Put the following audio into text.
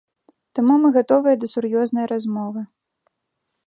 Таму мы гатовыя да сур'ёзнай размовы.